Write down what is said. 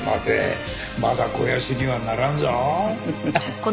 まだ肥やしにはならんぞ。